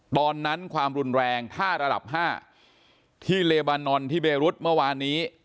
ความรุนแรงถ้าระดับ๕ที่เลบานอนที่เบรุษเมื่อวานนี้